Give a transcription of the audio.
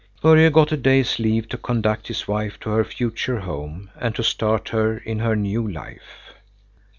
Börje got a day's leave to conduct his wife to her future home and to start her in her new life.